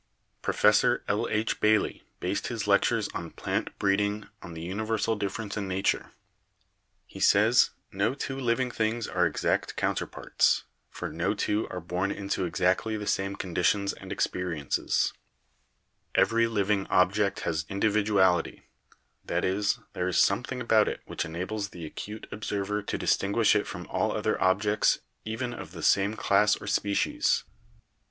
Professor L. H. Bailey based his lectures on 'Plant Breeding' on the uni versal difference in nature. He says: "No two living things are exact counterparts, for no two are born into exactly the same conditions and experiences. Every liv FACTORS OF EVOLUTION— SELECTION 197 ing object has individuality; that is, there is something about it which enables the acute observer to distinguish it from all other objects, even of the same class or spe cies.